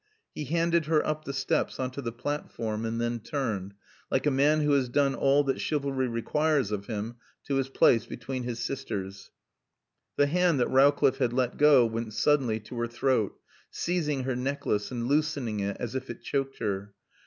He handed her up the steps on to the platform and then turned, like a man who has done all that chivalry requires of him, to his place between her sisters. The hand that Rowcliffe had let go went suddenly to her throat, seizing her necklace and loosening it as if it choked her.